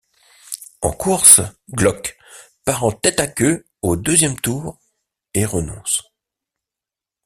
En course, Glock part en tête à queue au deuxième tour et renonce.